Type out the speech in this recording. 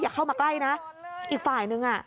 เข้ามาใกล้นะอีกฝ่ายนึงอ่ะ